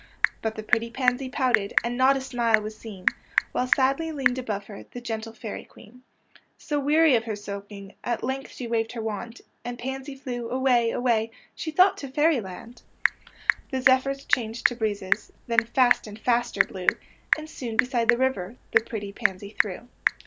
But the pretty pansy pouted, And not a smile was seen, Wliile sadly leaned above her The gentle Fairy Queen. So, weary of her sulking. At length she waved her wand; And pansy flew away, away, She thought to Fairy land. THE FOOLISH PANSY 83 The zephj^rs changed to breezes, Then fast and faster blew, And soon beside the river The pretty pansy threw.